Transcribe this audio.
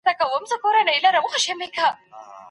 ده د اصلاح لپاره تدريجي ګامونه اخيستل.